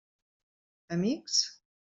Amics?